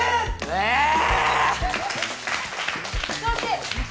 えっ？